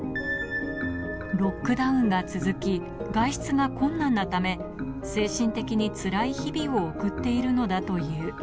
ロックダウンが続き、外出が困難なため、精神的につらい日々を送っているのだという。